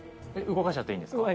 動かしちゃっていいんですか？